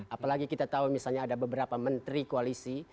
apalagi kita tahu misalnya ada beberapa menteri koalisi